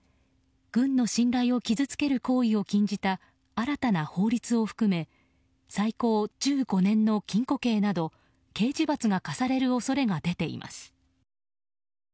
軍の信頼を傷つける行為を禁じた新たな法律を含め最高１５年の禁錮刑など刑事罰が科される恐れが出ています。